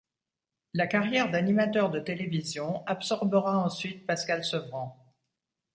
La carrière d'animateur de télévision absorbera ensuite Pascal Sevran.